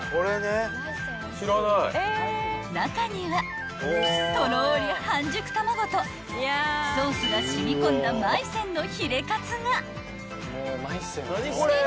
［中にはとろり半熟卵とソースが染み込んだまい泉のヒレかつが］